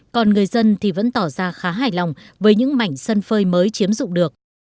còn người dân thì vẫn tỏ ra khá hài lòng với những mảnh sân phơi mới chiếm dụng được